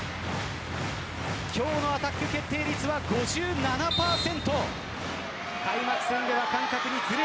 今日のアタック決定率は５７％。